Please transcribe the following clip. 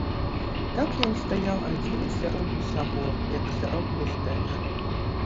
Так ён стаяў адзін сярод усяго, як сярод пустэчы.